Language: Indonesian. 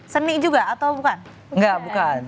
seni juga atau bukan